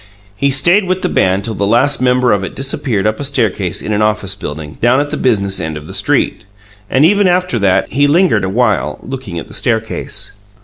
He stayed with the band till the last member of it disappeared up a staircase in an office building, down at the business end of the street; and even after that he lingered a while, looking at the staircase.